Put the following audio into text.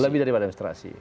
lebih dari administrasi